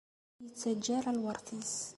Ur ittaǧǧa ara lweṛt-is.